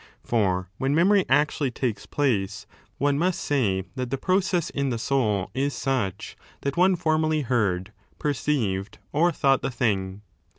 For when memory actually takes place, one must say that the process in the soul is suob that one formerly heard, perceived, or thought the thing.